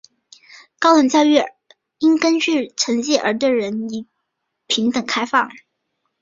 高等教育应根据成绩而对一切人平等开放。